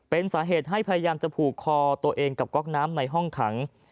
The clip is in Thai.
เป็นสาเหตุให้พยายามจะผูกคอตัวเองกับก๊อกน้ำในห้องขัง